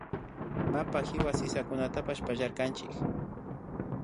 Mapa kiwa sisakunatapash pallarkanchik